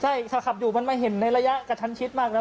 ใช่ถ้าขับอยู่มันมาเห็นในระยะกระชันชิดมากแล้ว